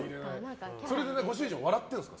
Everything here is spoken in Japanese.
それでご主人は笑ってるんですか？